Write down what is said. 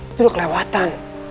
itu udah kelewatan